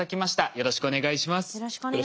よろしくお願いします。